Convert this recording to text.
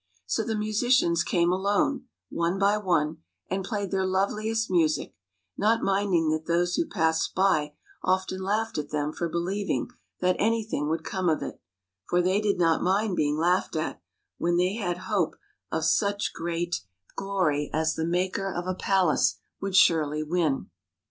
So the musicians came alone, one by one, and played their loveliest music, not minding that those who passed by often laughed at them for believing that anything would come of it; for they did not mind being laughed at when they had hope of such great 81 THE PALACE MADE BY MUSIC glory as the maker of a palace would surely win.